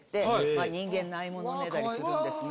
まあ人間ないものねだりするんですが。